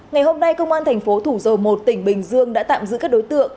ngày hôm nay công an thành phố thủ dầu một tỉnh bình dương đã tạm giữ các đối tượng